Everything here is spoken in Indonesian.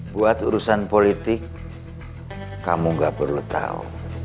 buat urusan politik kamu gak perlu tahu